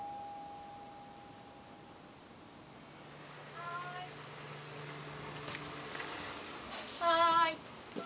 ・はい・はい。